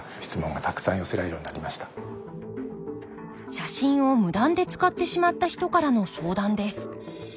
写真を無断で使ってしまった人からの相談です。